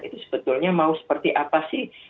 itu sebetulnya mau seperti apa sih